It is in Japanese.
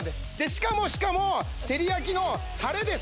しかもしかも照り焼きのタレです